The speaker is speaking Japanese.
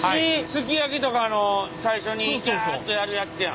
すき焼きとかの最初にぎゃっとやるやつやん。